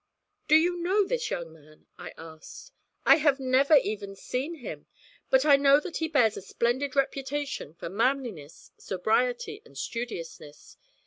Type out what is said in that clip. "' 'Do you know this young man?' I asked. 'I have never even seen him, but I know that he bears a splendid reputation for manliness, sobriety, and studiousness.